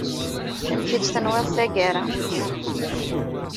Amek i tt-tenwiḍ taggara.